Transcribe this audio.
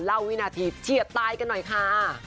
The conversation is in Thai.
เล่าวินาทีที่จะตายกันหน่อยค่ะ